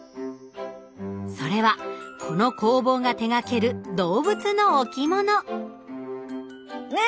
それはこの工房が手がける動物の置物猫！